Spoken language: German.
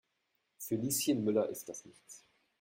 Für Lieschen Müller ist das nichts.